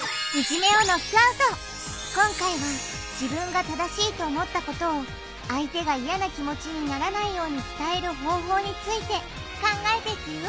今回は自分が正しいと思ったことを相手が嫌な気持ちにならないように伝える方法について考えていくよ